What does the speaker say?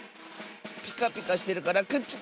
ピカピカしてるからくっつく！